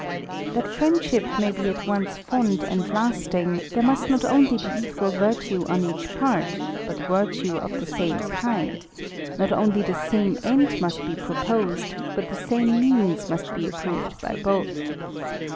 That friendship may be at once fond and lasting, there must not only be equal virtue on each part, but virtue of the same kind; not only the same end must be proposed, but the same means must be approved by both.